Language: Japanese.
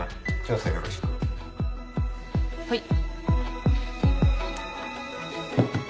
はい。